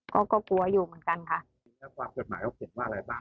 เขาก็กลัวอยู่เหมือนกันค่ะจริงแล้วความกฎหมายเขาเขียนว่าอะไรบ้าง